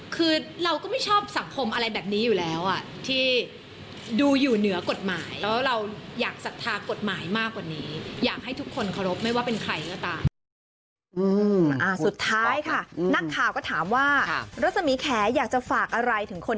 คือเราก็ไม่ชอบสังคมอะไรแบบนี้อยู่แล้ว